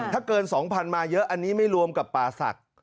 ถ้าเกิน๒๐๐๐มาเยอะอันนี้ไม่รวมกับป่าศักดิ์